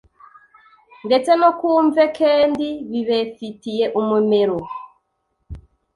ndetse no kumve kendi bibefitiye umumero.